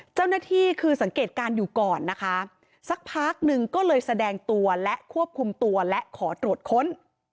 เจ้าหน้าที่คือสังเกตการณ์อยู่ก่อนนะคะสักพักหนึ่งก็เลยแสดงตัวและควบคุมตัวและขอตรวจค้น